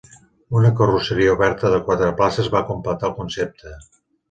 Una carrosseria oberta de quatre places va completar el concepte.